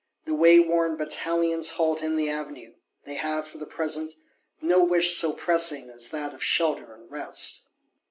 The wayworn Batallions halt in the Avenue: they have, for the present, no wish so pressing as that of shelter and rest.